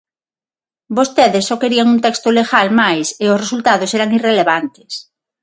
Vostedes só querían un texto legal máis e os resultados eran irrelevantes.